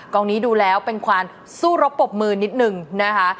องนี้ดูแล้วเป็นความสู้รบปรบมือนิดนึงนะคะ